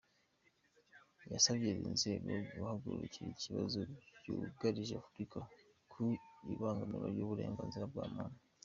Yasabye izi nzego guhagurukira ibibazo byugarije Afurika ku ibangamirwa ry’uburenganzira bwa muntu.